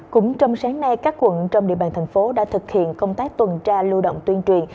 cũng trong sáng nay các quận trong địa bàn thành phố đã thực hiện công tác tuần tra lưu động tuyên truyền